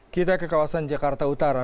kita ke kawasan jakarta utara